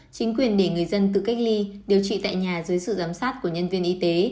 chính quyền để người dân tự cách ly điều trị tại nhà dưới sự giám sát của nhân viên y tế